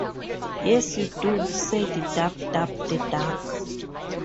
“Yes, you do,” said Dab-Dab, the duck.